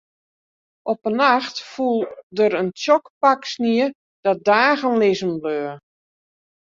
Op in nacht foel der in tsjok pak snie dat dagen lizzen bleau.